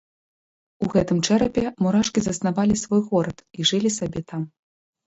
У гэтым чэрапе мурашкі заснавалі свой горад і жылі сабе там.